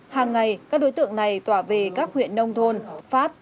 hàng ngày các đối tượng này tỏa về các huyện nông thôn phát